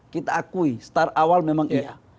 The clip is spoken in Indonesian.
kita akui start awal memang iya